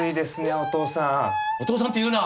お父さんって言うな！